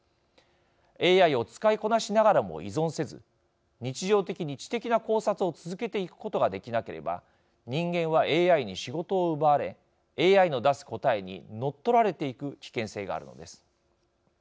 ＡＩを使いこなしながらも依存せず日常的に知的な考察を続けていくことができなければ人間はＡＩに仕事を奪われＡＩの出す答えに乗っ取られていく危険性があるのです。